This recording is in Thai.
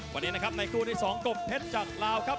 วันนี้นะครับในคู่ที่๒กบเพชรจากลาวครับ